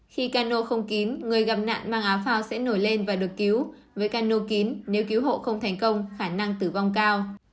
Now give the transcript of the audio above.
khi cano không kín người gặp nạn mang áo phao sẽ nổi lên và được cứu với cano kín nếu cứu hộ không thành công khả năng tử vong cao